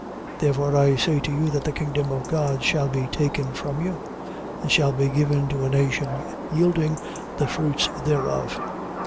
21:43. Therefore I say to you that the kingdom of God shall be taken from you and shall be given to a nation yielding the fruits thereof.